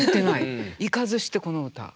行かずしてこの歌。